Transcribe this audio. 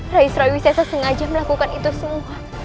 rai surawisesa sengaja melakukan itu semua